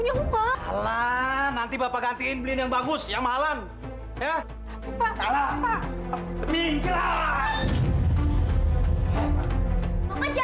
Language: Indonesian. ini bapak pulang bapak bapak janji nggak akan pergi lagi ya